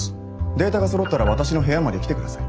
データがそろったら私の部屋まで来て下さい。